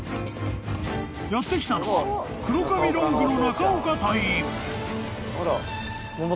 ［やって来たのは黒髪ロングの］